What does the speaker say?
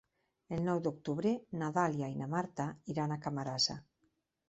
El nou d'octubre na Dàlia i na Marta iran a Camarasa.